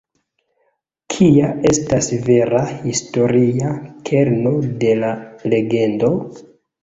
Kia estas vera historia kerno de la legendo?